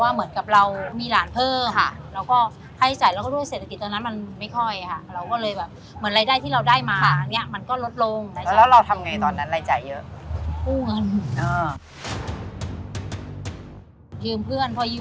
เหมือนรายได้ที่เราได้มาอันนี้ก็ลดลงและใช่เปิด